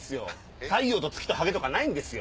太陽と月とハゲとかないんですよ！